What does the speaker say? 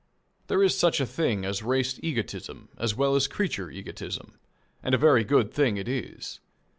There is such a thing as race egotism as well as creature egotism, and a very good thing it is.